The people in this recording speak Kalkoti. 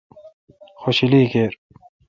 خوشلی کیر